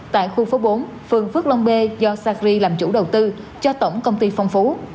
tại khu phố bốn phường phước long b do sacri làm chủ đầu tư cho tổng công ty phong phú